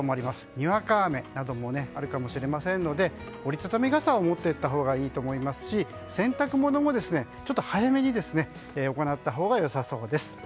にわか雨などもあるかもしれませんので折り畳み傘を持って行ったほうがいいと思いますし洗濯物も、早めに行ったほうがよさそうです。